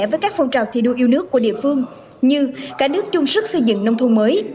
với các phong trào thi đua yêu nước của địa phương như cả nước chung sức xây dựng nông thôn mới